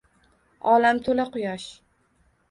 Olam to’la quyosh